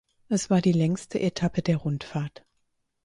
Es war die längste Etappe der Rundfahrt.